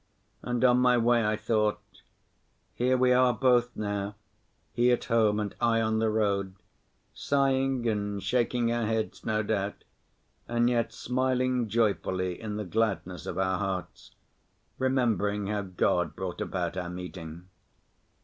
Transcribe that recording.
And on my way I thought: "Here we are both now, he at home and I on the road, sighing and shaking our heads, no doubt, and yet smiling joyfully in the gladness of our hearts, remembering how God brought about our meeting."